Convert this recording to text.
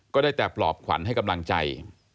ก็ได้แต่ปลอบขวัญให้กำลังใจ